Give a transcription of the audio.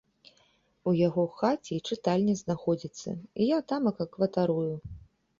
У яго хаце й чытальня знаходзіцца, і я тамака кватарую.